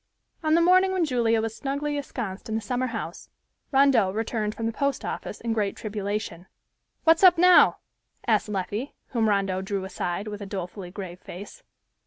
On the morning when Julia was snugly esconced in the summer house, Rondeau returned from the post office in great tribulation. "What's up now?" asked Leffie, whom Rondeau drew aside, with a dolefully grave face.